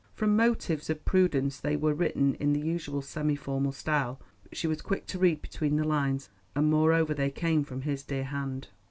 From motives of prudence they were written in the usual semi formal style, but she was quick to read between the lines, and, moreover, they came from his dear hand.